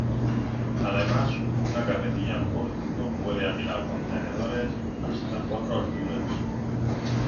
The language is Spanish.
Además, una carretilla pórtico puede apilar contenedores hasta cuatro alturas.